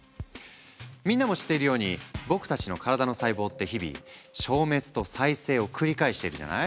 みんなも知っているように僕たちの体の細胞って日々消滅と再生を繰り返しているじゃない？